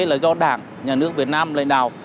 là do đảng nhà nước việt nam lãnh đạo